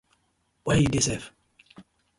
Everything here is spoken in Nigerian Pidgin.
Where yu dey sef?